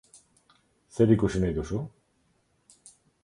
Zer ikusi nahi duzu?